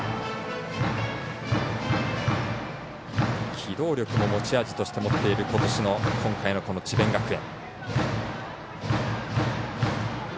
機動力も持ち味として持っていることしの今回の智弁学園。